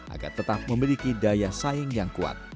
agar tetap memiliki daya saing yang kuat